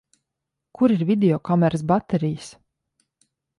Kur ir videokameras baterijas?